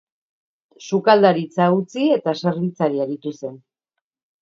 Sukaldaritza utzi eta zerbitzari aritu zen.